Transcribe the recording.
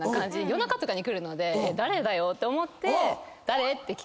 夜中とかに来るので誰だよって思って。